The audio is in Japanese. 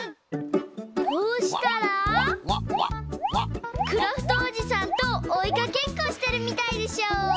こうしたらクラフトおじさんとおいかけっこしてるみたいでしょ。